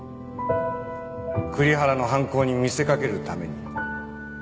栗原の犯行に見せかけるために。